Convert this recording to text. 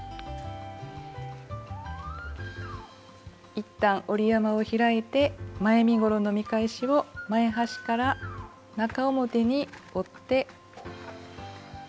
いったん折り山を開いて前身ごろの見返しを前端から中表に折って。